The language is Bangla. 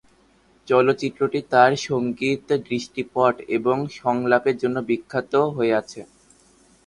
চলচ্চিত্রটি তার সঙ্গীত, দৃশ্যপট এবং সংলাপের জন্য বিখ্যাত হয়ে আছে।